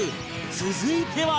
続いては